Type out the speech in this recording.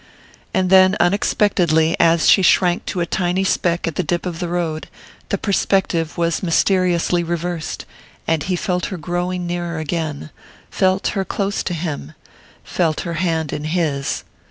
And then, unexpectedly, as she shrank to a tiny speck at the dip of the road, the perspective was mysteriously reversed, and he felt her growing nearer again, felt her close to him felt her hand in his.